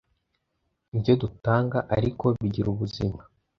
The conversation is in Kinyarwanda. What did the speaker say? ibyo dutanga, ariko, bigira ubuzima.